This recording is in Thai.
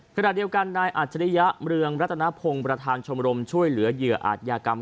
ขณะเดียวกันนายอัจฉริยะเมืองรัตนพงศ์ประธานชมรมช่วยเหลือเหยื่ออาจยากรรม